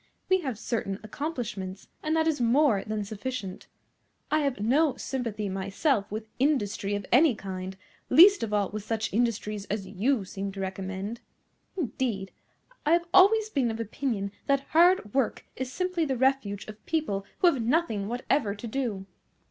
We have certain accomplishments, and that is more than sufficient. I have no sympathy myself with industry of any kind, least of all with such industries as you seem to recommend. Indeed, I have always been of opinion that hard work is simply the refuge of people who have nothing whatever to do."